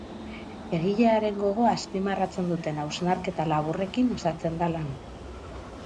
Egilearen gogoa azpimarratzen duten hausnarketa laburrekin osatzen da lana.